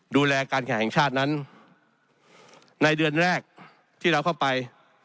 ดูแลการแข่งชาตินั้นในเดือนแรกที่เราเข้าไป